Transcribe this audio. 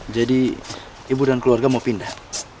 jadi ibu dan keluarga mau pindah